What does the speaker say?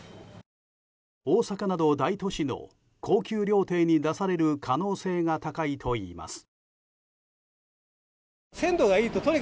大阪など大都市の高級料亭に出される可能性が高いといいます。